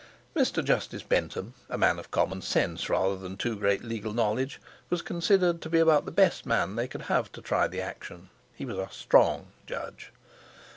Mr. Justice Bentham, a man of common sense rather than too great legal knowledge, was considered to be about the best man they could have to try the action. He was a "strong" Judge.